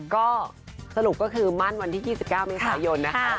ก็สรุปก็คือมั่นวันที่๒๙เมษายนนะคะ